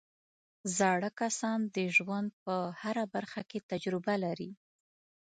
زاړه کسان د ژوند په هره برخه کې تجربه لري